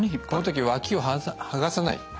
この時脇を剥がさない